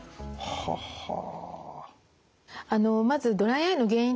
ははあ。